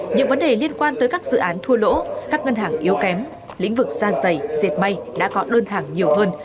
những vấn đề liên quan tới các dự án thua lỗ các ngân hàng yếu kém lĩnh vực da dày dệt may đã có đơn hàng nhiều hơn